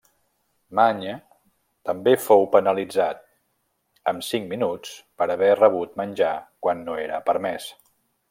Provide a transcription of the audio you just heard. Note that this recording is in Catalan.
Magne també fou penalitzat, amb cinc minuts, per haver rebut menjar quan no era permès.